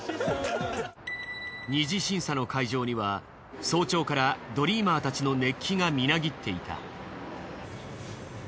二次審査の会場には早朝からドリーマーたちの熱気がみなぎっていた。